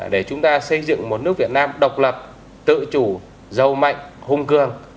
để chúng ta xây dựng một nước việt nam độc lập tự chủ giàu mạnh hung cường